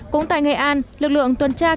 cũng tại nghệ an lực lượng tuần tra